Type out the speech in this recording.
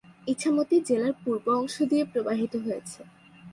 ইছামতি জেলার পূর্ব অংশ দিয়ে প্রবাহিত হয়েছে।